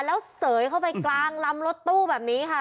แล้วเสยเข้าไปกลางลำรถตู้แบบนี้ค่ะ